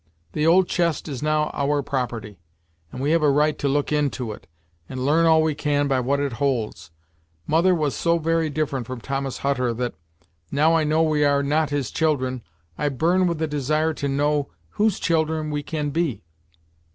The old chest is now our property, and we have a right to look into it, and learn all we can by what it holds. Mother was so very different from Thomas Hutter, that, now I know we are not his children, I burn with a desire to know whose children we can be.